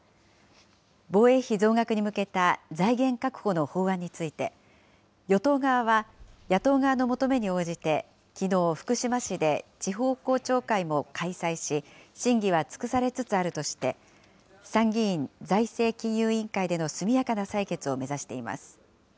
防衛費増額に向けた財源確保の法案について、与党側は、野党側の求めに応じてきのう、福島市で地方公聴会も開催し、審議は尽くされつつあるとして、参議院財政金融委員会での速やかな採決を目指しています。